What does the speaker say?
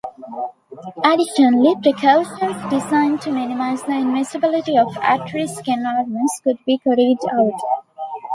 Additionally, precautions designed to minimize the invisibility of at-risk environments could be carried out.